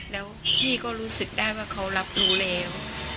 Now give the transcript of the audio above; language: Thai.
แล้วพี่ก็รู้สึกได้ว่าเขารับรู้แล้ว